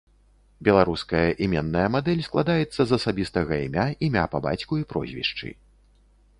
Беларуская іменная мадэль складаецца з асабістага імя, імя па бацьку і прозвішчы.